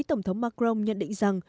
tổng thống macron nhận định rằng